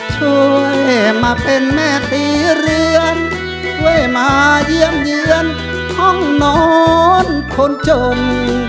ช่วยมาเป็นแม่ตีเรือนช่วยมาเยี่ยมเยือนห้องนอนคนจม